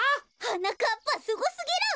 はなかっぱすごすぎる！